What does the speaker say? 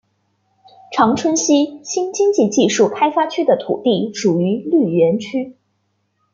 长春西新经济技术开发区的土地属于绿园区。